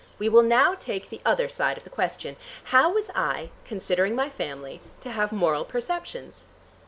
We will now take the other side of the question. How was I, considering my family, to have moral perceptions?"